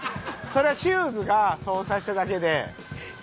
それはシューズがそうさせただけで。